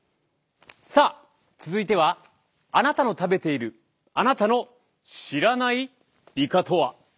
さあ続いては「あなたの食べているあなたの知らないイカとは」。